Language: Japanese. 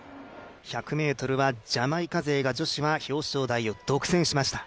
１００ｍはジャマイカ勢が女子は表彰台を独占しました。